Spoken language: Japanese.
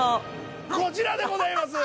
こちらでございます。